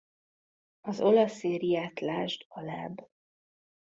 Az olasz szériát lásd alább.